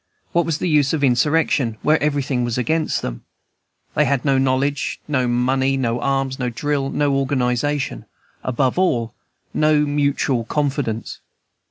What was the use of insurrection, where everything was against them? They had no knowledge, no money, no arms, no drill, no organization, above all, no mutual confidence.